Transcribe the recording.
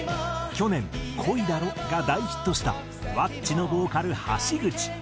去年『恋だろ』が大ヒットしたｗａｃｃｉのボーカル橋口。